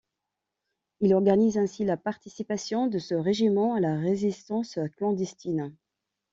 Il organise ainsi la participation de ce régiment à la résistance clandestine.